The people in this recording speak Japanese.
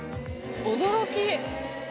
驚き！